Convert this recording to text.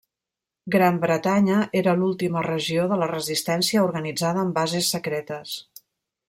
Gran Bretanya era l'última regió de la resistència, organitzada en bases secretes.